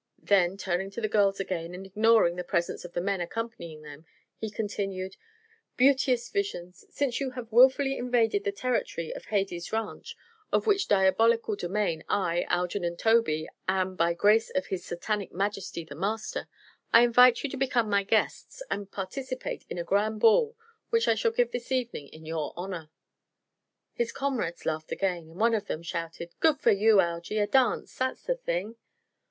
Then, turning to the girls again and ignoring the presence of the men accompanying them, he continued: "Beauteous visions, since you have wilfully invaded the territory of Hades Ranch, of which diabolical domain I, Algernon Tobey, am by grace of his Satanic majesty the master, I invite you to become my guests and participate in a grand ball which I shall give this evening in your honor." His comrades laughed again, and one of them shouted: "Good for you, Algy. A dance that's the thing!"